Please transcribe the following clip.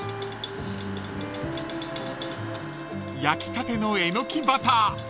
［焼きたてのエノキバター